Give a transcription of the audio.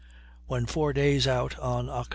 When four days out, on Oct.